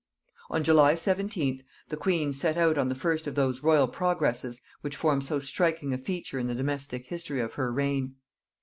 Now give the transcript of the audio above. On July 17th the queen set out on the first of those royal progresses which form so striking a feature in the domestic history of her reign.